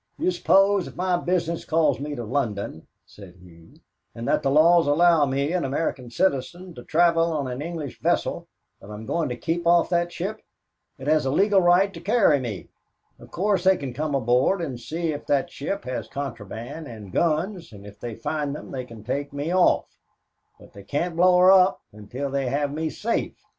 "Do you suppose, if my business calls me to London," said he, "and that the laws allow me, an American citizen, to travel on an English vessel that I'm going to keep off that ship? It has a legal right to carry me. Of course they can come aboard and see if that ship has contraband and guns, and if they find them they can take me off; but they can't blow her up until they have me safe.